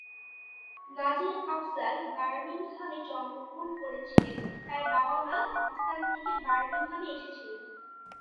নাজির আফজাল বার্মিংহামে জন্মগ্রহণ করেছিলেন, তার বাবা-মা পাকিস্তান থেকে বার্মিংহামে এসেছিলেন।